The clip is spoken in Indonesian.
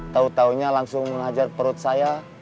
tahu tahunya langsung menghajar perut saya